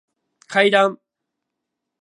階段